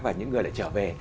và những người lại trở về